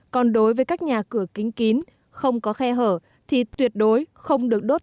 còn đối với các nhà cửa kính kín không có khe hở thì tuyệt đối không được đốt